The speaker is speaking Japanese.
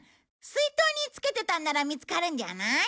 水筒につけてたんなら見つかるんじゃない？